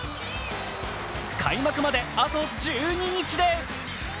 開幕まであと１２日です。